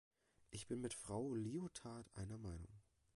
Ich bin mit Frau Liotard einer Meinung.